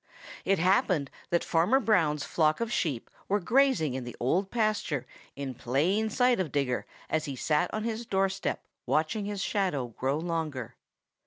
It happened that Farmer Brown's flock of Sheep were grazing in the Old Pasture in plain sight of Digger as he sat on his doorstep watching his shadow grow longer.